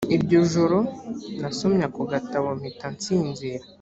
iryo joro nasomye ako gatabo mpita nsinzira